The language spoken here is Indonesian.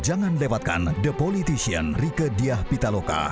jangan lewatkan the politician rike diah pitaloka